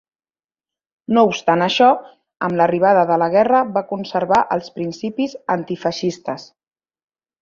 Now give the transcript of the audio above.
No obstant això, amb l'arribada de la guerra va conservar els principis antifeixistes.